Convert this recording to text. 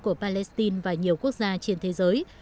của palestine và nhiều quốc gia trên thế giới